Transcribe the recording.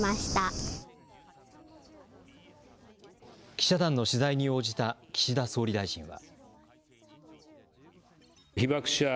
記者団の取材に応じた岸田総理大臣は。